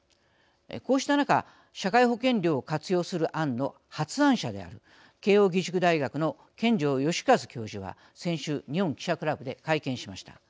こうした中社会保険料を活用する案の発案者である慶應義塾大学の権丈善一教授は先週、日本記者クラブで会見しました。